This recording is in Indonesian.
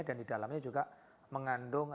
dan di dalamnya juga mengandung